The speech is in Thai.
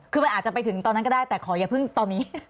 คือมันอาจจะไปถึงตอนนั้นก็ได้แต่ขออย่าเพิ่งตอนนี้